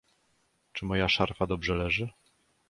"Czy moja szarfa dobrze leży?"